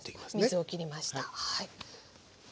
水を切りました。